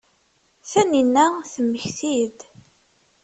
Taninna temmekti-d.